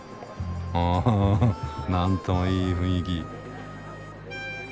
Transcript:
あははなんともいい雰囲気！